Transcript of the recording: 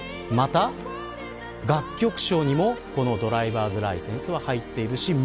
また、楽曲賞にもドライバーズ・ライセンスは入っているし